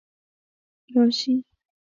راشي